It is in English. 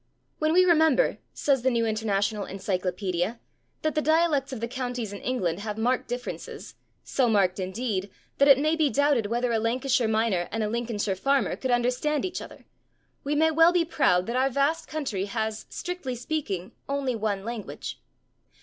"When we remember," says the New International Encyclopaedia "that the dialects of the countries (/sic/) in England have marked differences so marked, indeed that it may be doubted whether a Lancashire miner and a Lincolnshire farmer could understand each other we may well be proud that our vast country has, strictly speaking, only one language."